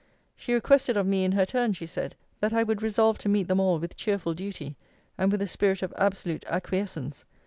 She requested of me in her turn, she said, that I would resolve to meet them all with cheerful duty, and with a spirit of absolute acquiescence.